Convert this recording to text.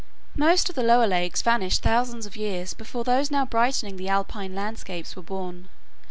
Most of the lower lakes vanished thousands of years before those now brightening the alpine landscapes were born.